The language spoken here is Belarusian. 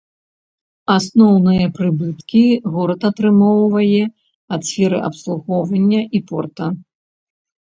Асноўныя прыбыткі горад атрымоўвае ад сферы абслугоўвання і порта.